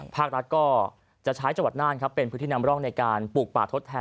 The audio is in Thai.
ภาครัฐก็จะใช้จังหวัดน่านครับเป็นพื้นที่นำร่องในการปลูกป่าทดแทน